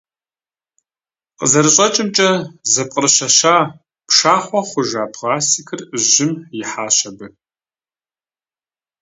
КъызэрыщӀэкӀымкӀэ, зэпкърыщэща, пшахъуэ хъужа пластикыр жьым ихьащ абы.